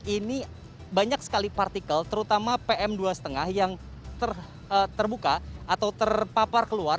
ini banyak sekali partikel terutama pm dua lima yang terbuka atau terpapar keluar